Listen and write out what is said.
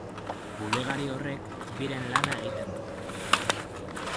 Bulegari horrek biren lana egiten du.